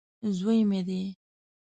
زوی مې دی.